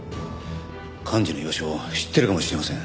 寛二の居場所を知ってるかもしれません。